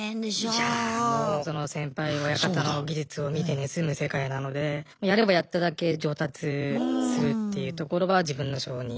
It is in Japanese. いやもうその先輩親方の技術を見て盗む世界なのでやればやっただけ上達するっていうところは自分の性に。